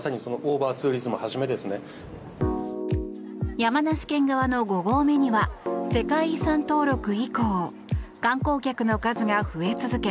山梨県側の５合目には世界遺産登録以降観光客の数が増え続け